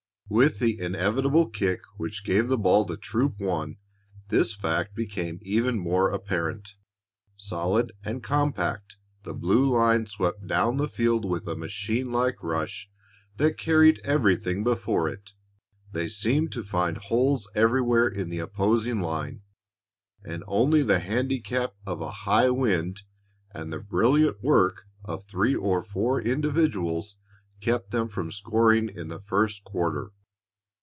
With the inevitable kick which gave the ball to Troop One, this fact became even more apparent. Solid and compact, the blue line swept down the field with a machine like rush that carried everything before it. They seemed to find holes everywhere in the opposing line, and only the handicap of a high wind and the brilliant work of three or four individuals kept them from scoring in the first quarter.